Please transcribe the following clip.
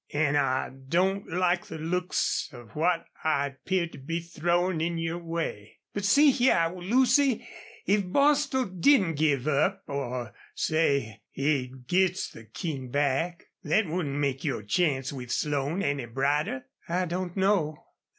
"An' I don't like the looks of what I 'pear to be throwin' in your way.... But see hyar, Lucy, if Bostil didn't give up or, say, he gits the King back, thet wouldn't make your chance with Slone any brighter." "I don't know."